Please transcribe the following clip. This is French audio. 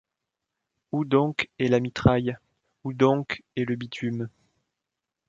Où donc. est la mitraille ? Où donc est le bitume ?